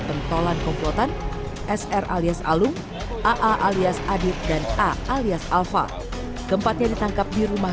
pentolan komplotan sr alias alum aa alias adit dan a alias alfa keempatnya ditangkap di rumah